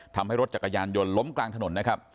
ทำให้รถจักรยานยนต์ล้มกลางถนนนะครับ